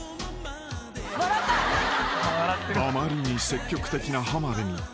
［あまりに積極的な浜辺に］